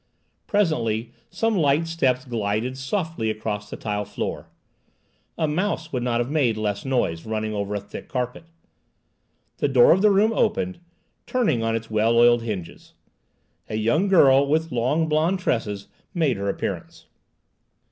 Presently some light steps glided softly across the tile floor. A mouse would not have made less noise, running over a thick carpet. The door of the room opened, turning on its well oiled hinges. A young girl, with long blonde tresses, made her appearance.